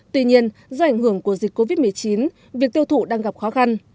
tuy nhiên do ảnh hưởng của dịch covid một mươi chín việc tiêu thụ đang gặp khó khăn